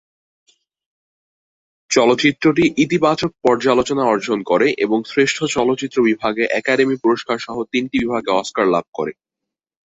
চলচ্চিত্রটি ইতিবাচক পর্যালোচনা অর্জন করে এবং শ্রেষ্ঠ চলচ্চিত্র বিভাগে একাডেমি পুরস্কারসহ তিনটি বিভাগে অস্কার লাভ করে।